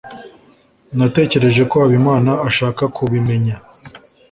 natekereje ko habimana ashaka kubimenya